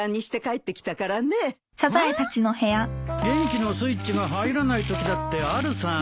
元気のスイッチが入らないときだってあるさ。